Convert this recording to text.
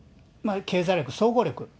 経済力、総合力。